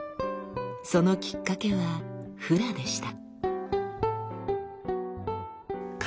そのきっかけはフラでした。